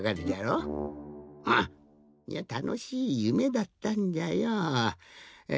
うん！いやたのしいゆめだったんじゃよ。え。